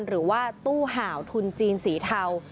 หรือว่าตู้ห่าวทุนจีนสีเทา